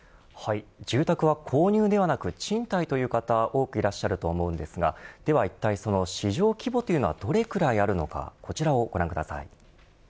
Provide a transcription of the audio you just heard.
住宅は購入ではなく賃貸という方も多くいらっしゃると思うんですがではいったい、その市場規模というのはどれくらいあるのかこちらをご覧ください。